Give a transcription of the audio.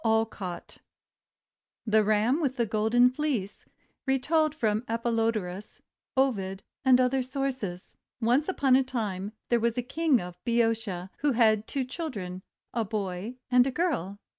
CANFIELD (adapted) THE RAM WITH THE GOLDEN FLEECE Retold from Apollodorus, Ovid, and Other Sources ONCE upon a time, there was a King of Boeotia who had two children, a boy and a girl.